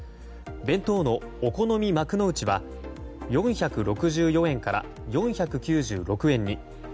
弁当のお好み幕の内は４６４円から４９６円に。